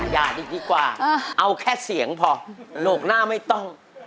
อย่าดีกว่าเอาแค่เสียงพอโหลกหน้าไม่ต้อง